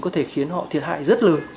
có thể khiến họ thiệt hại rất lớn